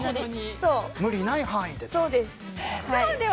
無理ない範囲でと。